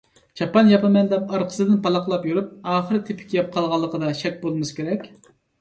«چاپان ياپىمەن» دەپ ئارقىسىدىن پالاقلاپ يۈرۈپ، ئاخىر «تېپىك يەپ قالغان»لىقىدا شەك بولمىسا كېرەك.